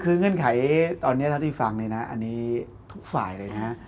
คือเงื่อนไขตอนนี้เท่าที่ฟังเลยนะอันนี้ทุกฝ่ายเลยนะ